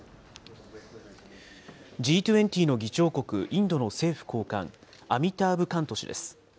Ｇ２０の議長国、インドの政府高官、アミターブ・カント氏です。